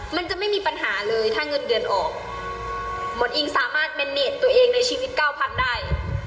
มันจะไม่มีปัญหาเลยถ้าเงินเดือนออกหมอนอิงสามารถเมนเนตตัวเองในชีวิตเก้าพันได้